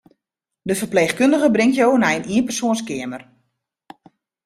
De ferpleechkundige bringt jo nei in ienpersoanskeamer.